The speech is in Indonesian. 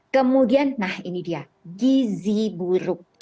kemudian nah ini dia gizi buruk